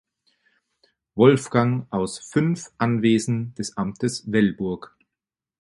Wolfgang aus fünf Anwesen des Amtes Velburg.